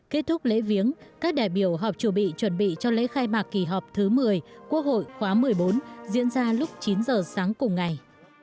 kết thúc lễ viếng các đại biểu họp chuẩn bị chuẩn bị cho lễ khai mạc kỳ họp thứ một mươi quốc hội khóa một mươi bốn diễn ra lúc chín giờ sáng cùng ngày